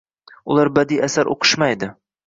Ular badiiy asar o‘qishmaydi.